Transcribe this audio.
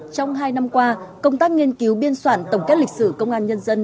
trong hai năm qua công tác nghiên cứu biên soạn tổng kết lịch sử công an nhân dân